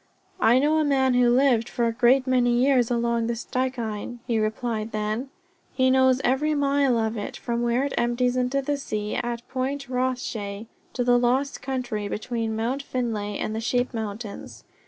"I know a man who lived for a great many years along the Stikine," he replied then. "He knows every mile of it from where it empties into the sea at Point Rothshay to the Lost Country between Mount Finlay and the Sheep Mountains.